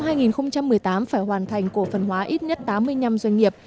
năm hai nghìn một mươi tám phải hoàn thành cổ phần hóa ít nhất tám mươi năm doanh nghiệp